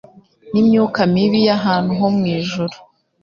n'imyuka mibi y'ahantu ho mu ijuru. »